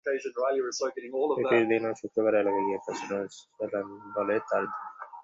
ছুটির দিন অথবা শুক্রবারে এলাকায় গিয়ে প্রচারণা চালান বলে তাঁর দাবি।